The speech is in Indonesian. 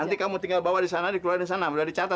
nanti kamu tinggal bawa di sana dikeluarin di sana udah dicatat